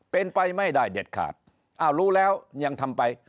เป็นไปไม่ได้เด็ดขาดอ้าวรู้แล้วยังทำไป